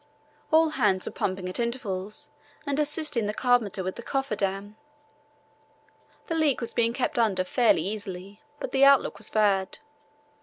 All hands were pumping at intervals and assisting the carpenter with the coffer dam. The leak was being kept under fairly easily, but the outlook was bad.